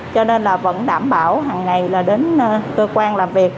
cho nên là vẫn đảm bảo hằng ngày là đến cơ quan làm việc